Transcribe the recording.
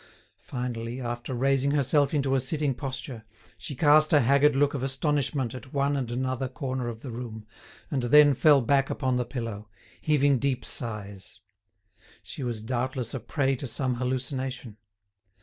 Finally, after raising herself into a sitting posture, she cast a haggard look of astonishment at one and another corner of the room, and then fell back upon the pillow, heaving deep sighs. She was, doubtless, a prey to some hallucination.